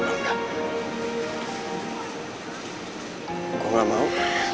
gue gak mau